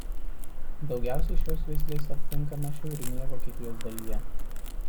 Daugiausiai šios veislės aptinkama šiaurinėje Vokietijos dalyje.